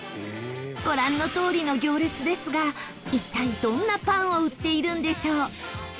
ご覧のとおりの行列ですが一体、どんなパンを売っているんでしょう？